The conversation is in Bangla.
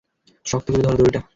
শক্ত করে ধরো দড়িটা!